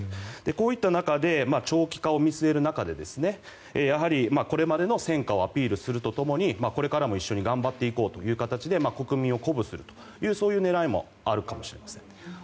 こういった中で長期化を見据える中でやはりこれまでの戦果をアピールすると共にこれからも一緒に頑張っていこうという形で国民を鼓舞するという狙いもあるかもしれません。